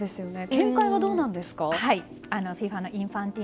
見解はどうなんですか？